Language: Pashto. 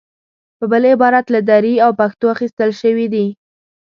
په بل عبارت له دري او پښتو اخیستل شوې دي.